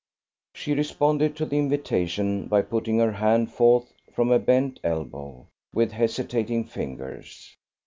She responded to the invitation by putting her hand forth from a bent elbow, with hesitating fingers.